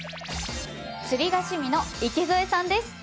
釣りが趣味の池添さんです。